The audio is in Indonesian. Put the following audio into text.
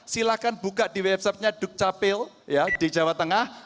silahkan buka di websitenya dukcapil di jawa tengah